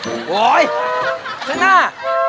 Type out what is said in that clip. โฮเช่นน่า